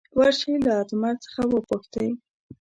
ور شئ له اتمر څخه وپوښتئ.